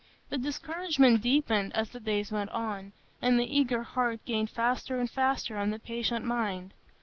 The discouragement deepened as the days went on, and the eager heart gained faster and faster on the patient mind.